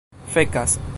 fekas